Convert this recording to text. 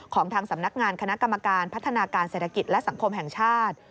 ของทางสำนักงานคณะกรรมการพัฒนาการเศรษฐกิจและสังคมแห่งชาติ